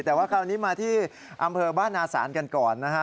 แต่ว่าคราวนี้มาที่อำเภอบ้านนาศาลกันก่อนนะฮะ